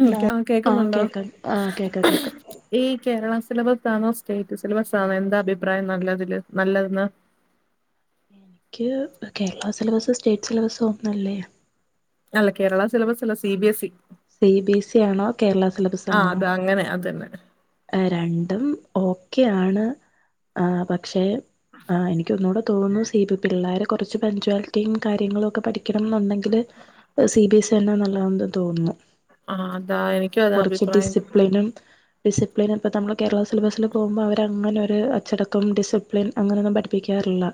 മ്മ് hello ആഹ് കേക്ക്ന്നുണ്ടോ കേക്കാം ആഹ് കേക്കാം ഖുഉം കേക്കാം ഈ കേരള സിലബതാണോ സ്റ്റേറ്റ് സിലബസ് ആണോ എന്താ അഭിപ്രായം നല്ലതില് നല്ലതെന്ന് ക്ക് കേരള സിലബസ് സ്റ്റേറ്റ് സിലബസ് ഒന്നല്ലേ അല്ല കേരള സിലബസ് അല്ല C B S E C B S E ആണോ കേരള സിലബസ് ആഹ് ആണോ അത് അങ്ങനെ അതന്നെ രണ്ടും ഓക്കെയാണ് ആഹ് പക്ഷെ ആഹ് എനിക്ക് ഒന്നുകൂടെ തോന്നുന്നു സ് ഇത് പിള്ളേര് കുറച്ച് പഞ്ച്വാലിറ്റിയും കാര്യങ്ങളും ഒക്കെ പഠിക്കണം എന്നുണ്ടെങ്കില് സി ബി എസ് ഇ എന്നാ നല്ലതെന്ന് തോന്നുന്നു ആഹ് അതാ എനിക്കും അതാ കൊറച്ച് അഭിപ്രായം ഡിസിപ്ലിനും ഡിസിപ്ലിൻ അപ്പൊ നമ്മൾ കേരള സിലബസില് പോകുമ്പോ അവരങ്ങനെ ഒര്അച്ചടക്കം ഡിസിപ്ലിൻ അങ്ങനെയൊന്നും പഠിപ്പിക്കാറില്ല.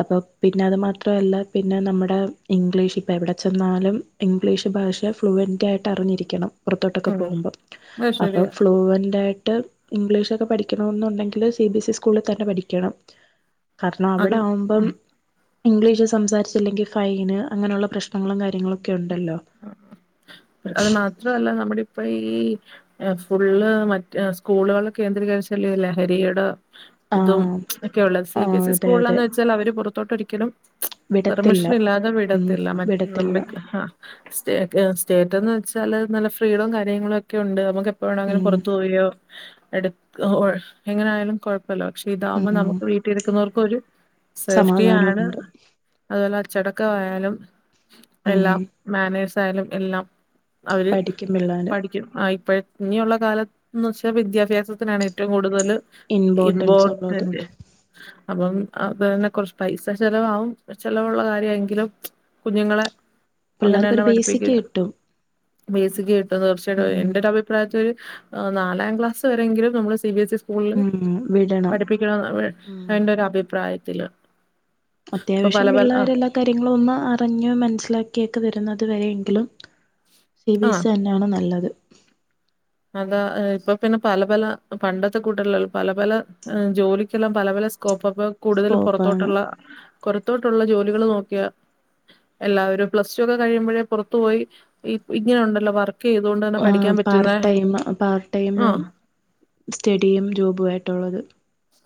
അപ്പൊ പിന്നെ അത് മാത്രവല്ല പിന്നെ നമ്മടെ ഇംഗ്ലീഷ് ഇപ്പെവെടെ ചെന്നാലും ഇംഗ്ലീഷ് ഭാഷ ഫ്ലുവന്റ് ആയിട്ട് അറിഞ്ഞിരിക്കണം പുറത്തോട്ടൊക്കെ ഉം പോകുമ്പോൾ അത് അപ്പം ശരിയാ ഫ്ലുവന്റ് ഇണ്ടായിട്ട് ഇംഗ്ലീഷൊക്കെ പഠിക്കണം എന്നുണ്ടെങ്കിൽ സി ബി എസ് ഇ സ്കൂളിൽ തന്നെ പഠിക്കണം. കാരണം അവിടെ അതും ആവുമ്പം ഇംഗ്ലീഷ് സംസാരിച്ചില്ലെങ്കിൽ ഫൈൻ അങ്ങനെയുള്ള പ്രശ്നങ്ങളും കാര്യങ്ങളൊക്കെ ഉണ്ടല്ലോ ആഹ് ആഹ് ഇപ്പഴ് അത് മാത്രവല്ല നമ്മുടെ ഇപ്പഴീ ഏഹ് ഫുള്ള് മറ്റ് സ്കൂളുകള് കേന്ദ്രീകരിച്ചല്ലേ ലഹരിയ്ടെ ആ ഇതും മ്ച്ചും ഒക്കെയുള്ളെ സി ആ ബി എസ് ഇ അതെ അതെ സ്കൂളിലന്ന് വെച്ചാൽ അവര് പുറത്തോട്ട് ഒരിക്കലും മ്ച്ചും വിടത്തില്ല പെർമിഷൻ ഇല്ലാതെ ഉം വിടത്തില്ല മറ്റ് വിടത്തില്ല നമ്മുടെ കെ ഹാ സ്റ്റേക് സ്റ്റേറ്റന്ന് വെച്ചാല് നല്ല ഫ്രീഡവും കാര്യങ്ങളും ഒക്കെ ഉണ്ട് നമുക്ക് എ അങ്ങനെ ഉം പുറത്ത് പോകയോ എടു എങ്ങനെ ആയാലും കുഴപ്പ ഫെല്ലോ ക്ഷിഇതാവുമ്പോ ഉം നമുക്ക് വീട്ടിലിരിക്കുന്നവർക്ക്ഒരു സേഫ്റ്റിയാണ് സമാധാനമുണ്ട് അതുപോലെ അച്ചടക്കംവായാലും ഉം എല്ലാം മാനേഴ്സ് ആയാലും എല്ലാം അവര് പഠിക്കും പിള്ളേര് പഠിക്കും ആ ഇപ്പഴ് ഇനിയുള്ള കാലത്ത്ന്ന് വെച്ചാ വിദ്യാഭ്യാസത്തിനാണ് ഏറ്റവും കൂടുതല് ഇമ്പോർട്ടൻസ് ഉള്ളത് ഇമ്പോർട്ടന്റ് അപ്പൊ അതൊന്ന് ആഹ് [unintelligible] കൊറച് പൈസ ചെലവാവും പൈസ ചെലവുള്ള കാര്യവാ എങ്കിലും മ്ച്ചും കുഞ്ഞുങ്ങളെ അപ്പങ്ങനെന്നെ പിള്ളേർക്കൊരു ബേസിക് പഠിപ്പിക്കാ കിട്ടും ബേസിക്ക് കിട്ടും തീർച്ചയായിട്ടും ഉം എന്റൊരഭിപ് പ്രായത്തിലൊരു നാലാം ക്ലാസ് വരെങ്കിലും നമ്മള് C B S E C സ്കൂളില് ഉം വിടണം പഠിപ്പിക്കണം ന്നാണ് ഉം എന്റെ ഒരു അഭിപ്രായത്തില്. ഇപ്പൊ അത്യാവശ്യം പല പല ആ പിള്ളേരെ ല്ലാ കാര്യങ്ങളും ഒന്ന് അറിഞ്ഞ് മനസ്സിലാക്കിയൊക്കെ വരുന്നത് വരെങ്കിലും. സി ബി ആ എസ് ഇ തന്നെയാണ് നല്ലത് അതാ ഹ് ഇപ്പൊ പിന്നെ പല പല പണ്ടത്തെ [unintelligible] പല പല ജോലിക്കെല്ലാം പല പല സ് കോപ്പപ്പ കൂടുതലും സ്കോപ്പാണ് പൊറത്തോട്ട്ള്ള കൊറത്തോട്ടുള്ള ജോലികള് നോക്കിയാ എല്ലാവരും പ്ലസ് ടു ഒക്കെ കഴിയുമ്പോഴേ പുറത്തു പോയി ഇ ഇങ്ങനെ ഉണ്ടല്ലോ വർക്ക് ക്ക്ഏതുകൊണ്ടാണ് പഠിക്കാൻ പാർട്ട് പറ്റ്ന്നേ ടൈം പാർട്ട് ടൈം സ്റ്റഡിയും ജോബുവായിട്ടുള്ളത്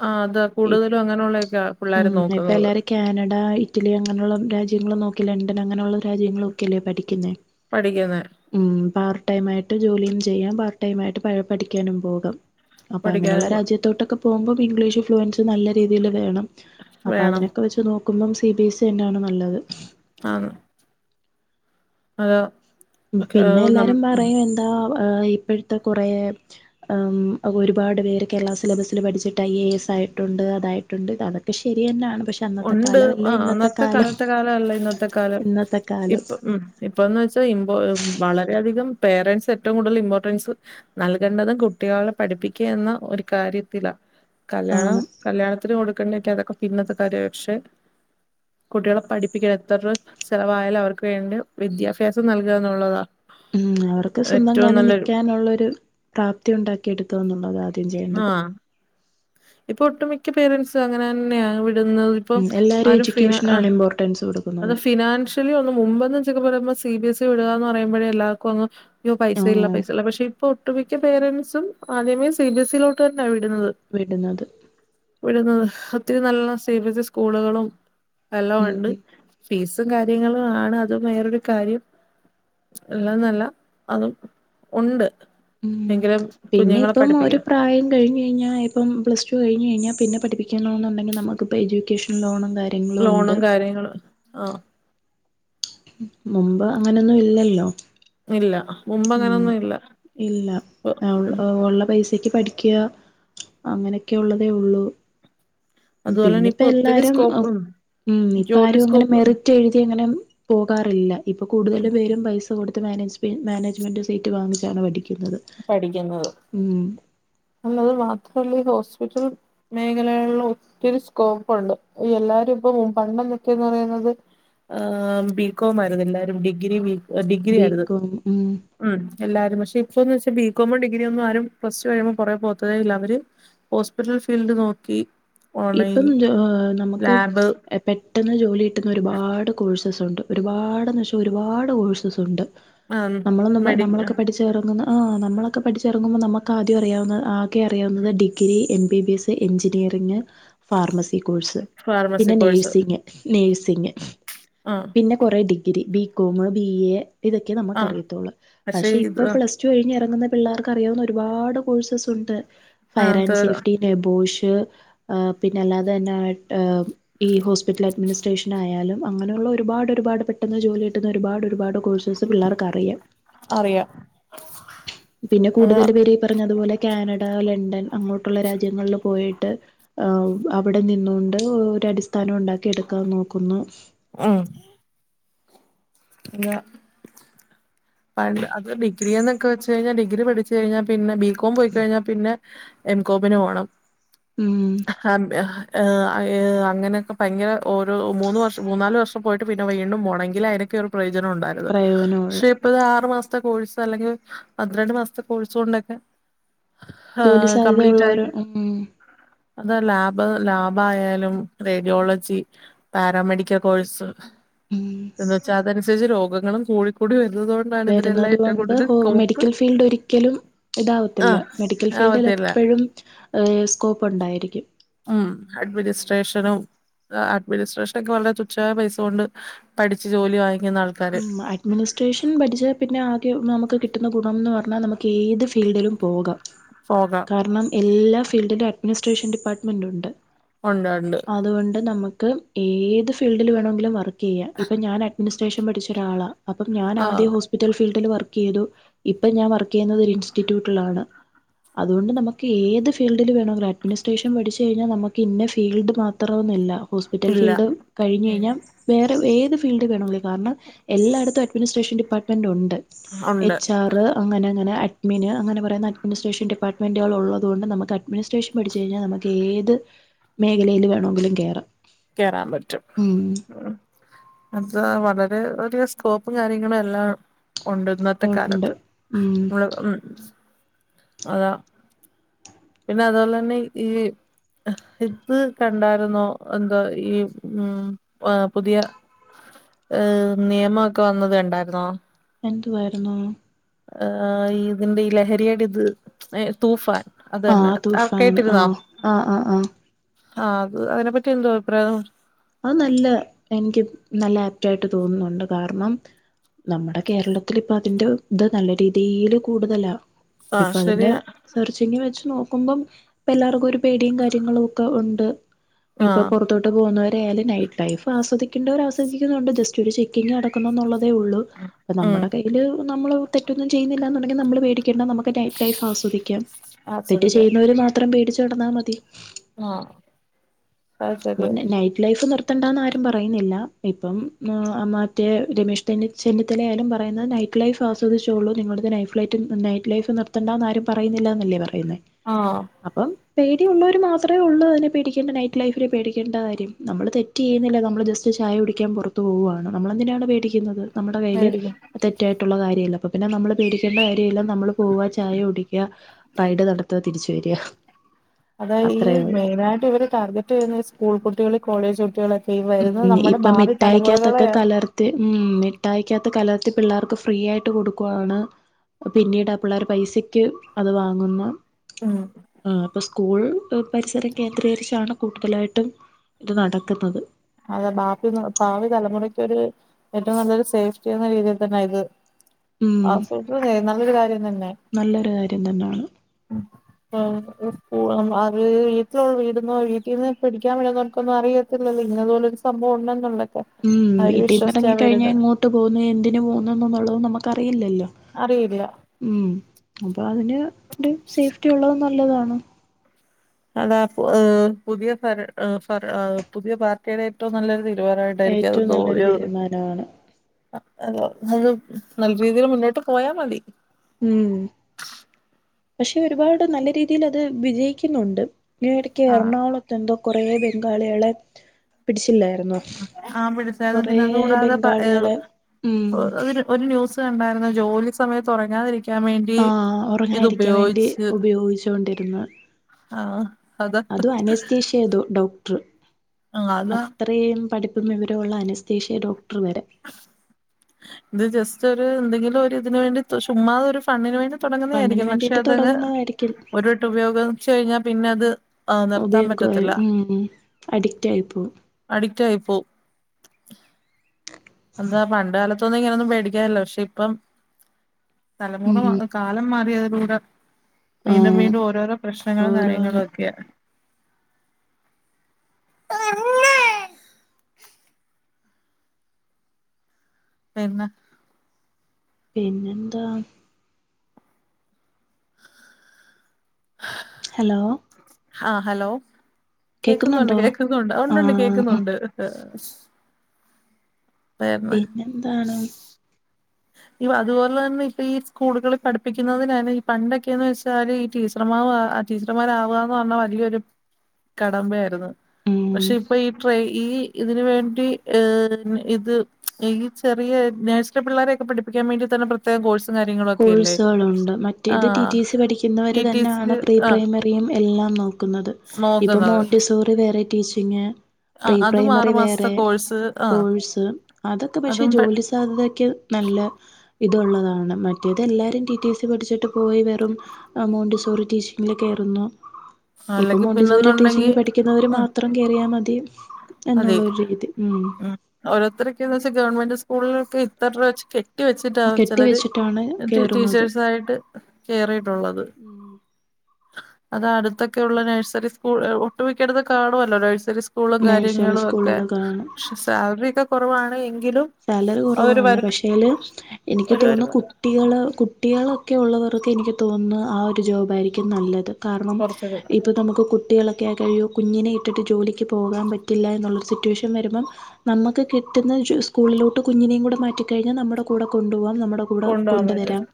ആഹ് അതാ കൂടുതലും അങ്ങനെയുള്ളൊക്കെയാ ഉം ഇപ്പെ എല്ലാരേ കാനഡ, ഇറ്റലി അങ്ങനുള്ള രാജ്യങ്ങള് നോക്കി ലണ്ടൻ അങ്ങനെയുള്ള രാജ്യങ്ങളൊക്കെ അല്ലേ പഠിക്കുന്നേ. പഠിക്കുന്ന ഉം പാർട്ട് ടൈം ആയിട്ട് ജോലിയും ചെയ്യാം. പാർട്ട് ടൈം ആയിട്ട് പഴ പഠിക്കാനും പോകാം. അപ്പൊ അങ്ങനെയുള്ള പഠിക്കാനും രാജ്യത്തോട്ടൊക്കെ പോകുമ്പം ഇംഗ്ലീഷ് ഇൻഫ്ലുവൻസ് നല്ല രീതിയില് വേണം അപ്പ വേണം അങ്ങനൊക്കെ വെച്ച് നോക്കുമ്പം, സി ബിഎസ് ഇ തന്നാണ് നല്ലത്. ആണ്. ആഹ്. പിന്നെ എല്ലാരും പറയും. എന്താ ഇപ്പോഴത്തെ കുറേ, ആഹ് ഒരുപാട് പേര് കേരളാ സിലബസിൽ പഠിച്ചിട്ട്, ഐ എ എസ് ആയിട്ടുണ്ട്. അതായി ണ്ട് അതൊക്കെ ശരിയന്നാണ്. പക്ഷെ, അന്നത്തെ ഉണ്ട്. കാലമല്ല ആഹ് ഇന്നത്തെ അന്നത്തെ കാലത്തെ കാലം അല്ല ഇന്നത്തെ കാലം. ഇന്നത്തെ കാലം ഇപ്പ ഉം. ഇപ്പോന്ന് വെച്ചാൽ ഇമ്പോ, വളരെയധികം പേരൻ്റ്സ് ഏറ്റവും കൂടുതല് ഇമ്പോർട്ടൻസ്, നൽകേണ്ടതും കുട്ടികളെ പഠിപ്പിക്കുക എന്ന ഒരു കാര്യത്തിലാ. കല്യാണം ആണ് കല്യാണത്തിന് കൊടുക്കെണ്ടേക്ക അതൊക്കെ പിന്നത്തെ കാര്യ പക്ഷെ കുട്ടികളെ പഠിപ്പിക്കണം എത്രരു ചെലവായാലും, അവർക്ക് വേണ്ടി വിദ്യാഭ്യാസം നൽകുക എന്നുള്ളതാണ്. ഉം അവർക്ക് സ്വന്തം കാലിൽ നിക്കാനുള്ളൊരു പ്രാപ്തി ഉണ്ടാക്കി എടുക്ക എന്നുള്ളതാ ആദ്യം ചെയ്യേണ്ടത്. ആഹ് ഇപ്പൊ ഒട്ടുമിക്ക പേരന്റ്സും അങ്ങന തന്നെയാ വിടുന്നത്. ഇപ്പം ആരും ഫിനാ ആഹ്. [unintelligible] വിടും. അത് ഫിനാഷ്യലി ഒന്ന് മുമ്പൊന്ന് ചെക്കെ പറയുമ്പോ സി എസ് ഇ വിടുകാന്ന് പറയുമ്പോഴേ എല്ലാവർക്കും ഒന്ന് അയ്യോ പൈസയില്ല ആഹ് പൈസയില്ല. പക്ഷെ ഇപ്പൊ ഒട്ടുമിക്ക പേരൻ്റ്സും ആദ്യമേ സി ബി എസ് ഇ യിലോട്ട് തന്നെയാ വിടുന്നത്. വിടുന്നത് ഇവിടുന്ന് ഒത്തിരി നല്ല സി ബി എസ് ഇ സ്കൂളുകളും എല്ലാം ഉം ഉണ്ട്. ഫീസും കാര്യങ്ങളും ആണ്. അതും വേറൊരു കാര്യം. എല്ലന്നല്ല അതും ഉണ്ട് ഉം എങ്കിലും കുഞ്ഞുങ്ങളെ പഠിപ്പിക്ക കഴിഞ്ഞഴിഞ്ഞ ഇപ്പം പ്ലസ് ടു കഴിഞ്ഞഴിഞ്ഞാ പിന്നെ പഠപ്പിക്കണന്നുണ്ടങ്കി നമുക്കിപ്പ എഡ്യൂക്കേഷൻ ലോണും കാ ലോണും കാര്യങ്ങളും, ആഹ്. മുമ്പ് അങ്ങനൊന്നും ഇല്ലല്ലോ. ഇല്ല. മുമ്പ് ഉം. അങ്ങനൊന്നും ഇല്ല ഇല്ല ഇപ്പൊ ഒൾ ഉം ഒള്ള പൈസക്ക് പഠിക്കാ. അങ്ങനെയൊക്കെ ഉള്ളതേ ഉള്ളൂ. അതുപോലെ തന്നെ പിന്നെപ്പോ ഇപ്പൊ ഒത്തിരി എല്ലാരും. സ്കോപ്പും ഉം മ് ഇപ്പ ജോലി ആരും അങ്ങനെ സ്കോപ്പ് മെറിറ്റ് എഴുതി അങ്ങനെ, പോകാറില്ല. ഇപ്പോ കൂടുതലും പേരും പൈസ കൊടുത്ത് മാനേജ്മ മാനേജ്മെൻ്റ് സീറ്റ് വാങ്ങിച്ചാണ് പഠിക്കുന്നത്. പഠിക്കുന്നത്. മം. [unintelligible] മാത്രല്ലത് ഹോസ്പിറ്റൽ മേഖലകളിൽ ഒത്തിരി സ്കോപ്പുണ്ട്. എല്ലാരും ഇപ്പ പണ്ടന്നെക്കെന്ന് പറയുന്നത്, ആഹ് ബികോം ആയിരുന്നു എല്ലാരും ഡിഗ്രി ബി ഡിഗ്രി ആരുന്നു. ഉം എല്ലാരും പക്ഷെ ഇപ്പോന്ന് വെച്ചാ ബീകോമും ഡിഗ്രി ഒന്നും ആരും പ്ലസ്ടു കഴിയുമ്പ പുറെപോത്തതേഇല്ല അവര് ഹോസ്പിറ്റൽ ഫീൽഡ് നോക്കി ഓൺലൈൻ ഇപ്പം ജോ.. ലാബ് നമുക്ക്--എ പെട്ടെന്ന് ജോലി കിട്ടുന്ന ഒരുപാട് കോഴ്സസ് ഉണ്ട്. ഒരുപാടെന്നു വെച്ചഒരുപാട് കോഴ്സസ് ഉണ്ട്. ആഹ് പെ നമ്മളൊന്നും മെഡി നമ്മളൊക്കെ പഠിച്ച പഠിച്ചറങ്ങുന്ന ആഹ് നമ്മളൊക്കെ പഠിച്ചിറങ്ങുമ്പോ നമുക്ക് ആദ്യം അറിയാവുന്ന ആകെ അറിയാവുന്നത് degree M B B S engineering, pharmacy course, pharmacy പിന്നെ കോഴ്സ് നേഴ്സിങ്, നേഴ്സിങ്. ആഹ്. പിന്നെ കുറേ ഡിഗ്രി, ബികോമ്, ബി എ ഇതൊക്കെ നമുക്ക് ആഹ് അറിയത്തൊള്ളൂ പക്ഷെ ഇപ്പൊ പ്ലസ് ടു കഴിഞ്ഞ് ഇറങ്ങുന്ന പിള്ളേർക്ക് അറിയാവുന്ന ഒരുപാട് കോഴ്സസ് ഉണ്ട്. Fire and ah safety. ട്ടെ ബോഷ് ആഹ് പിന്നെ അല്ലാതെ തന്നെ ഏഹ് ഈ ഹോസ്പിറ്റൽ അഡ്മിനിസ്ട്രേഷൻ ആയാലും അങ്ങനെയുള്ള ഒരുപാടൊരുപാട് പെട്ടെന്ന് ജോലി കിട്ടുന്ന ഒരുപാടൊ രുപാട് കോഴ്സേഴ്സ് പിള്ളേർക്ക് അറിയാം. അറിയാം. [unintelligible] പിന്നെ അതാ കൂടുതൽ പേര് ഈ പറഞ്ഞതു പോലെ കാനഡ, ലണ്ടൻ അങ്ങോട്ടുള്ള രാജ്യങ്ങളിൽ പോയിട്ട് ആം അവിടെ നിന്നൊണ്ട് ഒരു അടിസ്ഥാനം ഉണ്ടാക്കി എടുക്കാൻ നോക്കുന്നു. ഉം. ഇല്ല. പ അത് ഡിഗ്രിയൊന്നൊക്കെന്ന് വച്ച്കഴിഞ്ഞാ ഡിഗ്രി പഠിച്ചു കഴിഞ്ഞാ പിന്നെ ബി കോം പോയിക്കഴിഞ്ഞാ പിന്നെ എംകോമിന് പോണം... ഉം ഹ. എംഹ ഏ അങ്ങനൊക്കെ ഭയങ്കര ഓരോ ഏ... എങ് അങ്ങെനെ ക്കെ പ്പങ്ങനെ ഓരോ മൂന്നു വർഷം മൂന്നാല് വർഷം പോയിട്ട് പിന്നെ വീണ്ടും പോണങ്കിൽആയിരിക്കും പ്രയോജനം ഉണ്ടായിരുന്നത് പ്രയോജനമുള്ള ക്ഷ് - ഇപ്പതാ ആറു മാസത്തെ കോഴ്സ് അല്ലെങ്കില് ഹ് പന്ത്രണ്ട് മാസത്തെ കോഴ്സ് കൊണ്ടൊക്കെ ഹാ.. ജോലി സാധ്യത കമ്പ്ലീറ്റ് ആയി ഉള്ളവര് ഉം അത് ലാബ് ലാബായാലും റേഡിയോളജി പാരാമെഡിക്കൽ കോഴ്സ് ഹ് ഉം എന്ന് വെച്ചാ അതനുസരിച്ച് രോഗങ്ങളും കൂടിക്കൂടി വരുന്നതു കൊ വരുന്നുന്നത് കൊണ്ട് ഹോ മെഡിക്കൽ ഫീൽഡ് ഒരിക്കലും ഇതാവത്തില്ല ആഹ് മെഡിക്കൽ ഫീൽഡിൽ ആവത്തില്ല എപ്പോഴും സ്കോപ്പ് ഉണ്ടായിരിക്കും. ഉം അഡ്മിനിസ്ട്രേഷനും അഡ്മിനിസ്ട്രേഷനൊക്കെ വളരെ തുച്ഛമായ പൈസ കൊണ്ട് പഠിച്ച് ജോലി വാങ്ങിക്കുന്ന ആൾ ഉം. അഡ്മിനിസ്ട്രേഷൻ പഠിച്ചാ പിന്നെ ആകെ നമുക്ക് കിട്ടുന്ന ഗുണം എന്ന് പറഞ്ഞാനമുക് ഏത് ഫീൽഡിലും പോകാം. ഫോകാം. കാരണം എല്ലാ ഫീൽഡിലും അഡ്മിനിസ്ട്രേഷൻ ഡിപ്പാർട്ട്മെന്റ് ഉണ്ട്. ഒണ്ട് ഒണ്ട്. അതുകൊണ്ട് നമുക്ക് ഏത് ഫീൽഡിൽ വേണമെങ്കിലും വർക്ക് ചെയ്യാം. ഇപ്പ ഞാൻ അഡ്മിന് സ് ശേഷം പഠിച്ച ഒരാളാ. അപ്പംഞാൻ ആഹ് ആദ്യഹോസ് റ്റൽ ഫീൽഡിൽ വർക്ക് ചെയ്തു. ഇപ്പം ഞാൻ വർക്ക് ചെയ്യുന്നത് ഒരു ഇൻസ്റ്റിറ്റ്യൂട്ടിലാണ്. അതുകൊണ്ട് നമുക്ക് ഏത് ഫീൽഡിൽ വേണെങ്കിലും അഡ്മിനിസ്ട്രേഷൻ പഠിച്ചു കഴിഞ്ഞാ നമുക്ക് ഇന്ന ഫീൽഡ് മാത്രം ഒന്ന്വല്ല. ഹോസ്പിറ്റൽ ഇല്ല ഫീൽഡ് കഴിഞ് കഴിഞ്ഞാവേറെ ഏത് ഫീൽഡ് വേണമെങ്കിലും കാരണം. എല്ലായിടത്തും അഡ്മിനിസ്ട്രേഷൻ ഡിപ്പാർട്ട്മെന്റ് ഉണ്ട്. ഉണ്ട് എച്ച്, ആർ അങ്ങനെങ്ങനെ അഡ്മിന് അങ്ങന പറയുന്ന അഡ്മിനിട്രേഷൻ ഡിപ്പാർ്മെന്റുളെ ഉള്ളു അ തുകൊണ്ട് നമുക്ക് അഡ്മിനിട്രേഷൻ പഠിച്ചു കഴിഞ്ഞാനമുക്ക് ഏത് മേഖലയില് വേണമെങ്കി ലും കേറാം. കേറാൻ പറ്റും. ഉം [inaudible] അ [inaudible] വളരെ വലിയ സ്കോപ്പും കാര്യങ്ങളും എല്ലാം ഉണ്ട് ഇന്നത്തെ ഉണ്ട് കാലത്ത് ഉം മ്മള് ഉംഅതാ പിന്നെ അതോലന്നെ ഈ [inaudible] കണ്ടായിരുന്നോ? എന്തോ ഈ ഉം ആ പുതിയ ഏ.. മ് നിയമക്കെ വന്നത് കണ്ടായിരുന്നോ? എന്തുവായിരുന്നു? ഏ.. ഇതിന്റെ ഈ ലഹരിയടിത് ഏ തൂഫാൻ. അത് തന്നെ ആഹ് [inaudible] തൂഫാൻ ആഹ് ആഹ് ആഹ് ആഹ് ആഹ് അത് ഐനെപ്പറ്റി എന്തോവാ അഭിപ്രായം അത് നല്ല എനിക്ക് നല്ല ആപ്റ്റായിട്ട് തോന്നുന്നുണ്ട് കാരണം നമ്മടെ കേരളത്തിലിപ്പതിന്റെ ത് നല്ല രീതീല് കൂടുതലാ ആഹ് ഇപ്പതിന്റെ ശരിയാ സെർച്ചിങ്ങ് വെച്ച് നോക്കുമ്പം ഇപ്പ എല്ലാവർക്കു ഒരു പേടിയും കാര്യങ്ങളുംഒക്കെ ഉണ്ട്. ഇപ്പൊ ആഹ് പൊറത്തോട്ട [unintelligible] എ.. അല്ല നൈറ്റ് ടൈഫ് ആസ്വദിക്കേണ്ടവര് ആസ്വദിക്കുന്നുണ്ട്. ജസ്റ്റ് ഒരു ചെക്കിങ്ങ് നടക്കുന്നു ന്നുള്ളതേ ഉള്ളൂ. ഉം അപ്പംനമ്മുടെ കയ്യില് നമ്മള് തെറ്റൊന്നും ചെയ്യുന്നില്ല എന്നുണ്ടെങ്കില്നമ്മള് വേടിക്കേണ്ട നമുക്ക് ലൈഫ് ആസ്വദിക്കാം തെറ്റ് ആസ്വദിക്കാം ചെയ്യുന്നവര് മാത്രം പേടിച്ചു നടന്നാ മതി ആഹ് അത് അപ്പ ശെരിയാ നൈറ്റ് ലൈഫ് നിർത്തണ്ടാന്ന് ആരും പറയ്ന്നില്ല ഇപ്പം ആ മറ്റേ രമേഷ് ചെന്നി ചെന്നിത്തലായാലും പറയുന്നേ നൈറ്റ് ലൈഫ് ആസ്വദിച്ചോളൂ നിങ്ങളെടത്ത് നൈഫ് ലൈറ്റ് നൈറ്റ് ലൈഫ് നിർത്തണ്ടാന്ന് ആരും പറയുന്നില്ലാന്നല്ലേ പറയുന്നേ ആഹ് അപ്പം പേടി ഉള്ളോര് മാത്രേ ഒള്ളൂ ഐനെ പേടിക്കേണ്ടെ നൈറ്റ് ലൈഫിനെ പേടിക്കേണ്ട കാര്യം നമ്മൾ തെറ്റ്യ്യിന്നില്ല നമ്മൾ ജസ്റ്റ് ചായ കുടിക്കാൻ പൊറത്ത് പോവാണ് നമ്മളെന്തിനാണ് പേടിക്കുന്നത് നമ്മുടെ കയ്യില് മേടിക്കും തെറ്റായിട്ടുള്ള കാര്യല്യ അപ്പൊ പിന്നെ നമ്മള് പേടിക്കേണ്ട കാര്യല്യ നമ്മള് പോവാ ചായ കുടിക്യാ റൈഡ് നടത്താ തിരിച്ച് വരാ അതാ ഈ മെയിനായിട്ട് ഇവര് ടാർഗറ്റെയ്യുന്നെ സ്കൂൾ കുട്ട്യാള് കോളേജ് കുട്ട്യാളൊക്കെ ഉം ഇപ്പൊ മിഠായിക്കകത്തൊക്കെ കലർ ത്തി ഉം മിട്ടായ്ക്കകത്ത് കലർത്തി പിള്ളേർക്ക് ഫ്രീ ആയിട്ട് കൊടുക്കുവാണ് പിന്നീട് ആ പിള്ളേര് പൈസക്യ് അത് വാങ്ങുന്നു ഉം ആഹ് അപ്പൊ സ്കൂൾ പരിസരം കേന്ദ്രീകരിച്ചാണ് കൂടുതലായിട്ടും ഇത് നടക്കുന്നത് അതെ ബാപി ഭാവി തലമുറക്കൊരു ഏറ്റവും നല്ലൊരു സേഫ്റ്റി എന്ന രീതിയിൽ തന്നെ ഇത് ഉം [unintelligible] നല്ലൊരു കാര്യം തന്നെ നല്ലൊരു കാര്യം തന്നേണ് ഉം സ്കൂള്ആത് വീട്ടിലുള്ള വീടന്നോ വീട്ടീന്ന് പിടിക്കാൻ വരുന്നോർക്കൊന്നും അറിയത്തില്ലല്ലോ പിന്നതുപോലൊരു സംഭവം ഉണ്ടന്നുള്ളൊക്കെ ഉം വീട്ടിന്നിറങ്ങി കഴിഞ്ഞാ എങ്ങോട്ട് പോകുന്നു എന്തിന് പോകുന്നു ന്നുള്ളത് നമ്മക്കറിയില്ലല്ലോ അറിയില്ല ഉം അപ്പൊ അതിന് സേഫ്റ്റി ഉള്ളത് നല്ലതാണ് അതാ ഏഹ് പുതിയ ഫര ഫര പുതിയ പാർട്ടിയുടെ ഏറ്റവും നല്ലൊരു തീരുമാനമായി ട്ടായിരിക്കത് ഏറ്റവും നല്ലൊരു തോന്നിയത് തീരുമാനമാണ് അതെ അത് നല്ല രീതിയിൽ മുന്നോട്ട് പോയാ മതി ഉം പക്ഷെ ഒരുപാട് നല്ല രീതിൽ അത് വിജയിക്കുന്നുണ്ട് ഈ ഇടക്ക് ആ എറണാകൊളത്തെന്തോ കൊറെ ബംഗാള്യളെ പിടിച്ചില്ലായ്ര്ന്നോ ആ പിടിച്ചായിരുന്നു കൊറെ പിന്നെ അതുകൂടാതെ ബംഗാളികളെ ഉം അതിന് ഒരു ന്യൂസ് കണ്ടായിര്ന്നു ജോലി സമയത്ത് ഒറങ്ങാതിരി ക്കാൻ വേണ്ടി ആ ഇത് ഉറങ്ങാതിരിക്കാൻ വേണ്ടി ഉപയോഗിച്ച് ഉപയോഗിച്ചോണ്ടിരുന്ന ആഹ് അതും അനസ്തേഷ്യ തോ ഡോക്ടറ് ആ അതാ അത്ര ഇത്രേം പഠിപ്പും വിവരൊള്ള അനസ്തേഷ്യാ ഡോക്ടറ് വെരെ ഇത് ജസ്റ്റ് ഒരു എന്തെങ്കിലും ഒരു ഇതിന് വേണ്ടി ചുമ്മാ ഒരു ഫണ്ണിന് വേണ്ടി ഫണ്ണിന് തൊടങ്ങുന്നതിയിരിക്കും പക്ഷെ വേണ്ടിയിട്ട് അതങ്ങ് തുടങ്ങുന്നതായിരിക്കും ഒരുവട്ടം ഉപയോഗം ച്ച് കഴിഞ്ഞാ പിന്നത് ഉപയോഗേ ഉം ഉം അഡിക്റ്റായിപ്പോവും അഡിക്റ്റായിപ്പോ എന്താ പണ്ട് കാലത്തൊന്നും ഇങ്ങനൊന്നും പേടിക്കാനില്ല പക്ഷെ ഇപ്പം തലമുറ ഉം കാ കാലം മാറിയതിലൂടെ വീണ്ടും ആഹ് വീണ്ടും ഓരോരോ പ്രശ്നങ്ങള് ഓരോന്ന് കാര്യങ്ങളൊക്കെയാ പന്നെ പിന്നെന്താ [unintelligible] ഹലോ ആഹ് ഹലോ കേക്കുന്ന്ണ്ട് കേക്കുന്നുണ്ടോ കേക്കുന്നുണ്ട് ഓണ്ടൊണ്ട് ആഹ് കേക്കുന്നുണ്ട് അഹ് ആഹ് പിന്നെ എന്താണ് ഇപ്പ അതുപോലെ തന്നെ ഇപ്പ ഈ സ്കൂളുകളില് പഠിപ്പിക്കുന്നതിനാണ് ഈ പണ്ടൊക്കെന്ന് വെച്ചാല് ഈ ടീച്ചർമാ ടീച്ചർമാരാവാന്ന് പറഞ്ഞാ വല്ലിയൊരു കടമ്പായിരുന്നു ഉം പക്ഷെ ഇപ്പൊ ഈ ട്രെ ഈ ഇതിന് വേണ്ടി ഏം ഇത് ഈ ചെറിയ നഴ്സറി പിള്ളേരെ പഠിപ്പിക്കാൻ വേണ്ടി തന്നെ പ്ര ഇത്രയുംകോഴ്സും കാര്യങ്ങളും ഒക്കെയല്ലേ കോഴ്സെളുണ്ട് മറ്റേത് ടി ആഹ് ടി സി പഠിക്കുന്നവർ ടി ടി തന്നെയാണ് സിക്ക് പ്രീ ആഹ് പ്രൈമറി യിം എല്ലാം നോക്കുന്നത് ഇപ്പൊം നോക്കുന്നത് മോണ്ടിസോറി വേറെ ടീച്ചിംങ് പ്രീ ആഹ് അതും പ്രൈമറി ആറു മാസത്തെ വേറെ കോഴ്സ് ആഹ് കോഴ്സ് അതൊക്കെ പക്ഷെ അതും പെ ജോലി സ് സാധ്യതക്ക് നല്ല ഇതുള്ളതാണ് മറ്റേതെല്ലാരും ടി ടി സി പഠിച്ചിട്ട് പോയി വെറും ഏ മോണ്ടിസോറി ടീച്ചിംങിൽ കേറുന്നു ഇപ്പൊ അല്ലെങ്കിൽ മോണ്ടിസോറി പിന്നെന്നുണ്ടെങ്കി ടീച്ചിംങ് പഠിക്കുന്നവര് ഉം മാത്രം കേറിയാ മതി അതെ എന്നുള്ളൊരു രീതി ഉം ഓരോരുത്തരക്കെന്ന് വെച്ചാ ഗവൺമെന്റ് സ്കൂൾ ലൊക്കെ ത്രരൂപ വെച്ച് കെ കെട്ടി വെച്ചിട്ടാ കെട്ടി ചിലര് വെച്ചിട്ടാണ് കയറുന്നത് ടീച്ചേഴ്സായിട്ട് കേറിയിട്ടുള്ളത് ഉം അതാ അടുത്തൊക്കെ ഉള്ള നഴ്സറി സ്കൂൾ ഒട്ടുമിക്കേടത് കാണുമല്ലോ നഴ്സറി സ്കൂ സ്കൂളും നഴ്സറി കാര്യങ്ങളും ഒക്കെ സ്കൂളുകൾ കാണും പക്ഷെ സാൽറി ഒക്കെ കുറവാണ് എങ്കിലും സാലറി ഒരു കുറവാണ് വർക്ക് പക്ഷേല് എനിക്ക് ഒരു തോന്നുന്ന് വരുമ കു കുട്ടിൾ കുട്ടിയെളൊക്കെ ഉള്ളവർക്ക് എനിക്ക് തോന്നുന്നു ആ ഒരു ജോബായിരിക്കും നല്ലത്. കാരണം കൊറച്ചൊക്കെ ഇത് നമുക്ക് കുട്ടികളെ ക്കെ കഴിയോ കുഞ്ഞിനെ ഇട്ടിട്ട് ജോലിക്ക് പോകാംപറ്റില്ല എന്നുള്ളൊരു സിറ്റുവേഷൻ വരുമ്പം നമ്മക്കെ കിട്ടുന്ന ശു സ്കൂളിലോട്ട് കുഞ്ഞിനേ കൂടെ മാറ്റിക്കഴിഞ്ഞാൽ നമ്മുടെ കൂടെ കൊണ്ടുപോകാം നമ്മുടെ കൂടെ കൊണ്ടുപോകാൻ കൊണ്ട് പറ്റും വരാം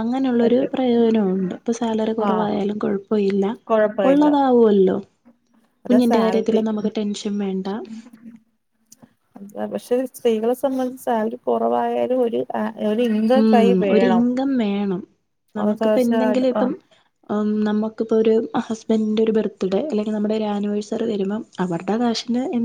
അങ്ങനെള്ളൊരു പറ്റും പ്രയോജനം ഉണ്ട് പ്പൊ സാലറി ആഹ് കുറവായാലും കുഴപ്പമില്ല കൊഴപ്പമില്ല ഉള്ളതാവുല്ലോ അതാ കുഞ്ഞിന്റെ സാലറി കാര്യത്തിലും നമക്ക് ടെൻഷൻ വേണ്ടാ അഹ് പക്ഷെ സ്ത്രീകളെ സംബന്ധിച്ച് സാലറി കുറവായാലും ഒര് ആ ഒരു ഇൻകം ഉം കൈ ഒരു വേണം ഇങ്കം വേണം അത് നമുക്കിപ്പം തീർച്ചയായിട്ടും എന്തെങ്കിലും ആഹ് ഇപ്പം പ്പം നമ്മൊക്കിപ്പോ ഒരു ഹസ്ബൻഡിന്റെ ഒരു ബർത്ത്ഡേ അല്ലെങ്കിൽ നമ്മുടെ ഒരാനിവേഴ്സറി വരുമ്പം അവരുടെ കാശിന് എന്തെ